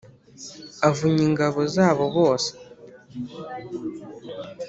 avunya ingabo zabo bose